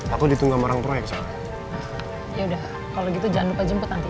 aku juga ingin benar benar ingin gelar